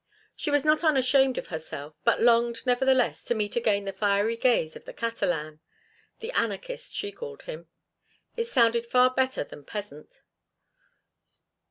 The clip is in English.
She was not unashamed of herself, but longed, nevertheless, to meet again the fiery gaze of the Catalan—"the anarchist," she called him; it sounded far better than peasant.